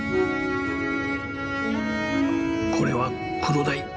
これはクロダイ！